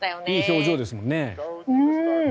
いい表情ですもんね。